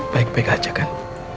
baik baik aja kan